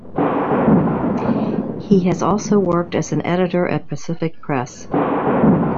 He has also worked as an editor at Pacific Press.